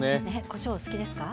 こしょうお好きですか？